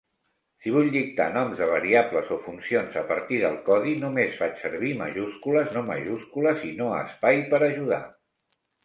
Si vull dictar noms de variables o funcions a partir del codi, només faig servir "majúscules", "no majúscules" i "no espai" per ajudar..